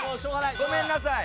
ごめんなさい。